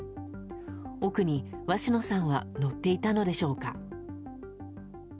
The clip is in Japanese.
奥に鷲野さんは乗っていたのでしょうか。